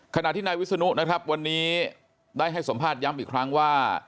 ขณะที่นายวิศนุนะครับวันนี้ได้ให้สัมภาษณย้ำอีกครั้งว่า